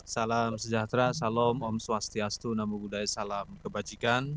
salam sejahtera salam om swastiastu namo buddhaya salam kebajikan